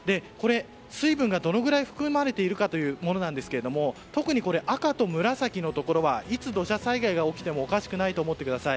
水分がどのくらい含まれているかというものなんですが特に赤と紫のところはいつ土砂災害が起きてもおかしくないと思ってください。